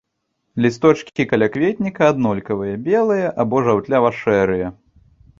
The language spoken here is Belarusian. Лісточкі калякветніка аднолькавыя, белыя або жаўтлява-шэрыя.